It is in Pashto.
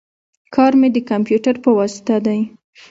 کار می د کمپیوټر په واسطه دی